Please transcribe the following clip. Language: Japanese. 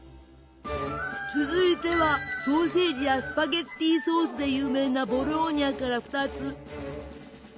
続いてはソーセージやスパゲッティソースで有名なボローニャから２つ！